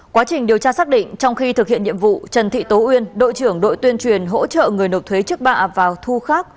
quá trình điều tra xác định trong khi thực hiện nhiệm vụ trần thị tố uyên đội trưởng đội tuyên truyền hỗ trợ người nộp thuế trước bạ vào thu khác